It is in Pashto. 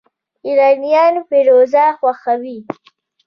ایرانیان فیروزه خوښوي.